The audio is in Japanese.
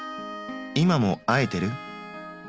今も会えてる？」。